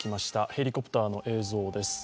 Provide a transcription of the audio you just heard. ヘリコプターの映像です。